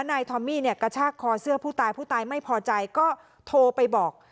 นายทอมมี่เนี่ยกระชากคอเสื้อผู้ตายผู้ตายไม่พอใจก็โทรไปบอก